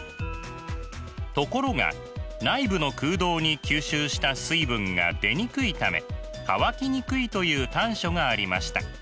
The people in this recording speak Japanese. ところが内部の空洞に吸収した水分が出にくいため乾きにくいという短所がありました。